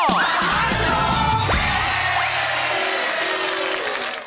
โอเคโอเคมาเถอะมาเถอะ